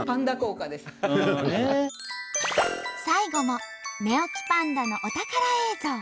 最後も寝起きパンダのお宝映像。